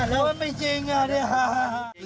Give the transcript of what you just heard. แล้วมันไม่จริงอ่ะเนี่ย